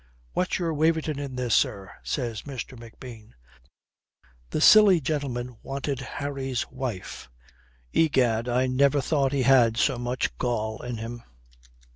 "What's your Waverton in this, sir?" says McBean. "The silly gentleman wanted Harry's wife. Egad, I never thought he had so much gall in him."